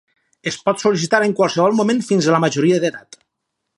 Es pot sol·licitar en qualsevol moment fins a la majoria d'edat.